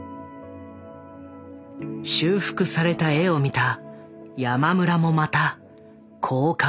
修復された絵を見た山村もまたこう感じていた。